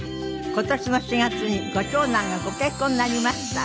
今年の４月にご長男がご結婚になりました。